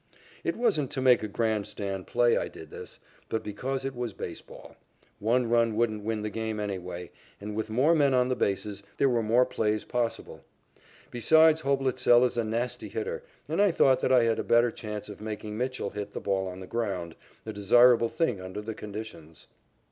It wasn't to make a grand stand play I did this, but because it was baseball. One run would win the game anyway, and, with more men on the bases, there were more plays possible. Besides Hoblitzell is a nasty hitter, and I thought that I had a better chance of making Mitchell hit the ball on the ground, a desirable thing under the conditions.